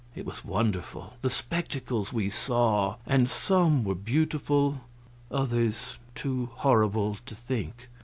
It was wonderful, the spectacles we saw; and some were beautiful, others too horrible to think.